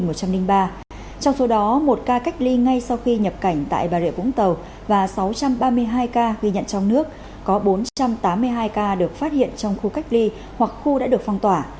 trong số đó một ca cách ly ngay sau khi nhập cảnh tại bà rịa vũng tàu và sáu trăm ba mươi hai ca ghi nhận trong nước có bốn trăm tám mươi hai ca được phát hiện trong khu cách ly hoặc khu đã được phong tỏa